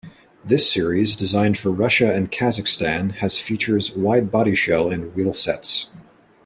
This series, designed for Russia and Kazakhstan, has features wide bodyshell and wheelsets.